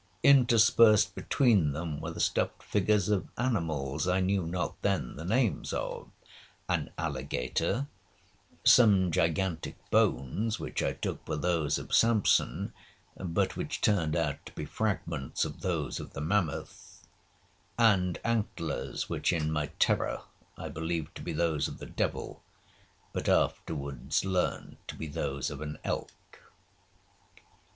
Interspersed between them were the stuffed figures of animals I knew not then the names of,—an alligator,—some gigantic bones, which I took for those of Sampson, but which turned out to be fragments of those of the Mammoth,—and antlers, which in my terror I believed to be those of the devil, but afterwards learned to be those of an Elk.